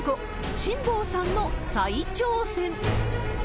辛坊さんの再挑戦。